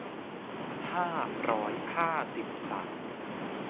ห้าร้อยห้าสิบสาม